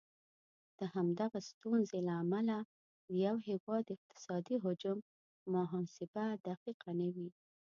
د همدغه ستونزې له امله د یو هیواد اقتصادي حجم محاسبه دقیقه نه وي.